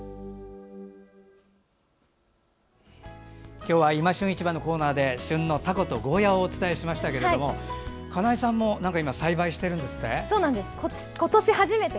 今日は「いま旬市場」のコーナーで旬のタコとゴーヤーをお伝えしましたが金井さんも何か栽培しているんですって？